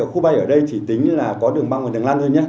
khu bay ở đây chỉ tính là có đường băng và đường lan thôi nhé